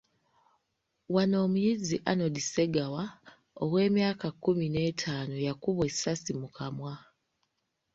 Wano omuyizi Arnold Ssegawa, ow’emyaka kkumi n'ettaano yakubwa essasi mu kamwa.